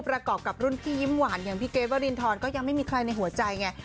ประกอบกับรุ่นพี่ยิ้มหวานอย่างพี่เกรทวรินทรก็ยังไม่มีใครในหัวใจไง